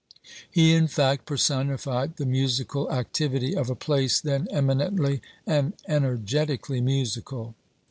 He in fact personified the musical activity of a place then eminently and energetically musical.